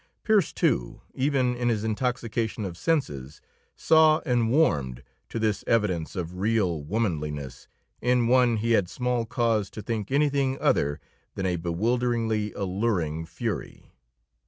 Pearse, too, even in his intoxication of senses, saw and warmed to this evidence of real womanliness in one he had small cause to think anything other than a bewilderingly alluring fury.